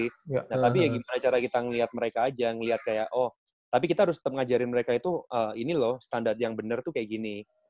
nah tapi ya gimana cara kita ngeliat mereka aja ngeliat kayak oh tapi kita harus tetap ngajarin mereka itu ini loh standar yang bener tuh kayak gini